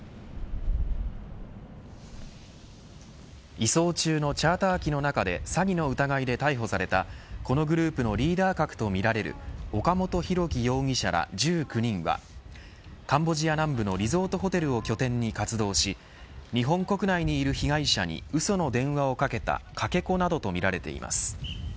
移送中のチャーター機の中で詐欺の疑いで逮捕されたこのグループのリーダー格とみられる岡本大樹容疑者ら１９人はカンボジア南部のリゾートホテルを拠点に活動し日本国内にいる被害者にうその電話をかけたかけ子などとみられています。